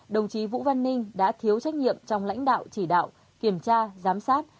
đồng chí vũ văn ninh đã thiếu trách nhiệm trong lãnh đạo chỉ đạo kiểm tra giám sát